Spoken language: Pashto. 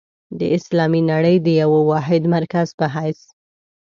د اسلامي نړۍ د یوه واحد مرکز په حیث.